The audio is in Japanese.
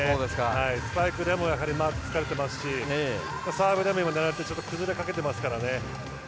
スパイクでもマークつかれてますしサーブでもちょっと崩れかけていますから。